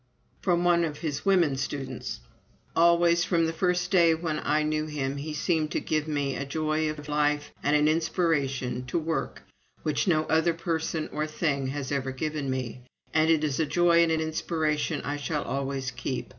From one of his women students: "Always from the first day when I knew him he seemed to give me a joy of life and an inspiration to work which no other person or thing has ever given me. And it is a joy and an inspiration I shall always keep.